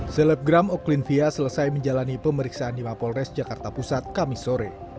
selebgram oklin fia selesai menjalani pemeriksaan di mapol res jakarta pusat kamisore